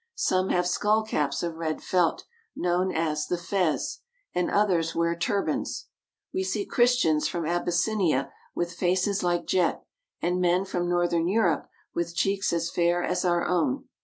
Some have skull caps of red felt, known as the fez, and others wear turbans. We see Christians from Abyssinia with faces like jet, and men from northern Europe with cheeks as fair as our own.